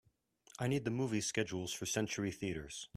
I need the movie schedules for Century Theatres